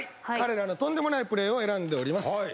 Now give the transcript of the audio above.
彼らのとんでもないプレーを選んでおります。